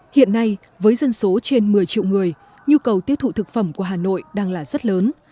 hiện nay với dân số trên một mươi triệu người nhu cầu tiêu thụ thực phẩm của hà nội đang là rất lớn